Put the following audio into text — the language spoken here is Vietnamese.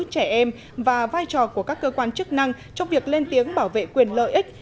trẻ em và vai trò của các cơ quan chức năng trong việc lên tiếng bảo vệ quyền lợi ích